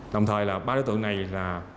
đồng thời là ba đối tượng này là